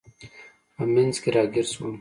په منځ کې راګیر شوم.